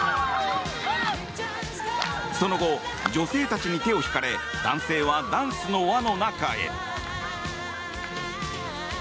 その後、女性たちに手を引かれ男性は、ダンスの輪の中へ。